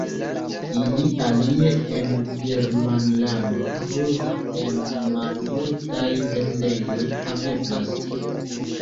Ili alie en Germanlando nur en malmultaj vendejoj haveblas.